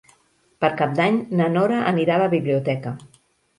Per Cap d'Any na Nora anirà a la biblioteca.